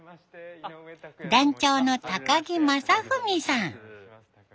団長の木雅史さん。